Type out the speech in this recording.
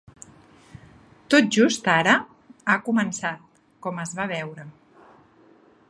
Tot just ara ha començat, com es va veure.